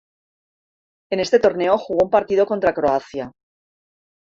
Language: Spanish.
En este torneo jugó un partido contra Croacia.